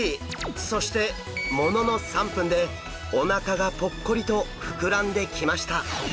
そしてものの３分でおなかがぽっこりと膨らんできました！